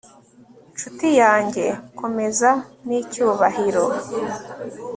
nshuti yanjye, komeza! n'icyubahiro